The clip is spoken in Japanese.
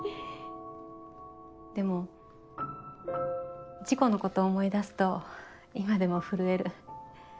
でも事故のこと思い出すと今でも震える。